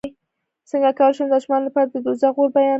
څنګه کولی شم د ماشومانو لپاره د دوزخ اور بیان کړم